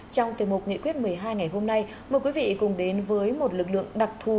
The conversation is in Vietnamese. trong tiềm mục nghị quyết một mươi hai ngày hôm nay mời quý vị cùng đến với một lực lượng đặc thù